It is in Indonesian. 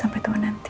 sampai tua nanti